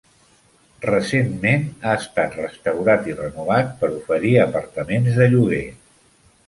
Recentment ha estat restaurat i renovat per oferir apartaments de lloguer.